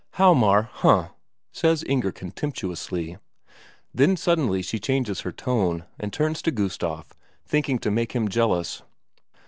"Hjalmar huh!" says Inger contemptuously. Then suddenly she changes her tone, and turns to Gustaf, thinking to make him jealous.